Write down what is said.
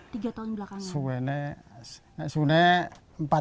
tiga tahun belakangnya